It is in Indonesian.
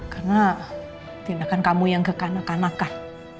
karena tindakan kamu yang kekanakan kanakan